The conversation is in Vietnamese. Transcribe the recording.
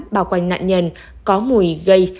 bao quanh nạn nhân có mùi gây